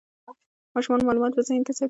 ماشومان معلومات په ذهن کې ساتي.